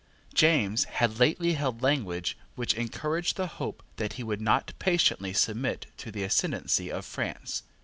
James had lately held language which encouraged the hope that he would not patiently submit to the ascendancy of France.